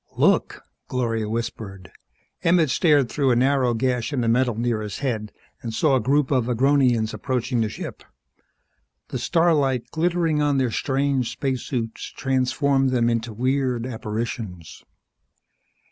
"Look!" Gloria whispered. Emmett stared through a narrow gash in the metal near his head and saw a group of Agronians approaching the ship. The starlight, glittering on their strange spacesuits, transformed them into weird apparitions.